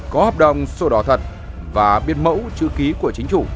có hợp đồng sổ đỏ thật và biên mẫu chữ ký của chính chủ